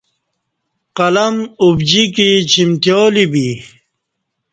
قلم ابجیکی چمتیالی بی